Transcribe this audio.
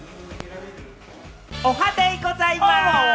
おはデイございます！